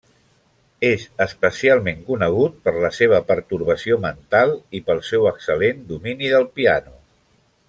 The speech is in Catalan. És especialment conegut per la seva pertorbació mental i pel seu excel·lent domini del piano.